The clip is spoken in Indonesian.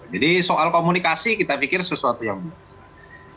jadi soal komunikasi kita pikir sesuatu yang besar